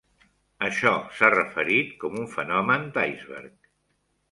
Això s'ha referit com un "fenomen d'iceberg".